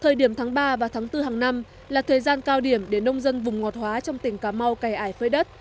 thời điểm tháng ba và tháng bốn hàng năm là thời gian cao điểm để nông dân vùng ngọt hóa trong tỉnh cà mau cài ải phơi đất